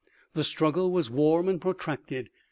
The struggle was warm and protracted.